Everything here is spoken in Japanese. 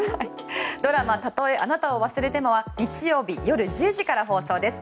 ドラマ「たとえあなたを忘れても」は日曜日夜１０時から放送です。